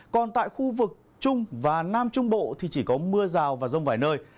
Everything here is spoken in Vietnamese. còn tại khu vực trung và nam trung bộ thì chỉ có mưa rào và rông vài nơi